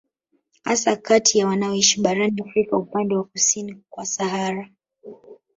Hasa kati ya wanaoishi barani Afrika upande wa kusini kwa Sahara